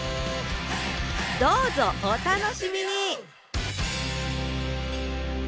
どうぞお楽しみに！